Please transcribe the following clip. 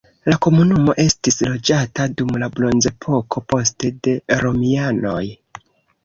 La komunumo estis loĝata dum la bronzepoko, poste de romianoj.